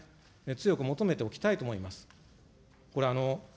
このことを強く求めておきたいと思います。